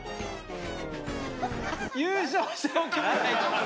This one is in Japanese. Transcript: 優勝者を決めたいと思います。